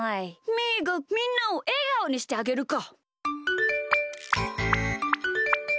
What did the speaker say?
みーがみんなをえがおにしてあげるか！